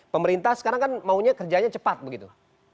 pemerintah sekarang kan maunya kerjanya cepat begitu